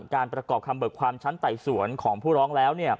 การประกอบคำเบิกความชั้นไต่สวนของผู้ร้องแล้ว